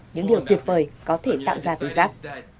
những điều tuyệt vời có thể tạo ra từ rác